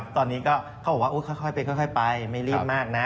ตอนนี้เขาบอกว่าค่อยไปค่อยไปไม่รีบมากนะ